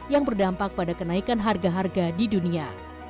yang berdampak pada kenaikan harga harga di dunia